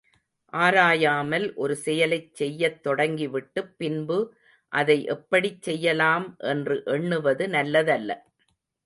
ஆராயாமல் ஒரு செயலைச் செய்யத் தொடங்கிவிட்டுப் பின்பு அதை எப்படிச் செய்யலாம் என்று எண்ணுவது நல்லதல்ல.